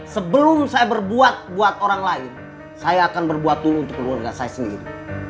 sebelum saya berbuat buat orang lain saya akan berbuat dulu untuk keluarga saya sendiri